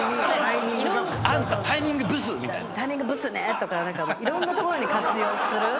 「タイミングブスね」とかいろんなところに活用する。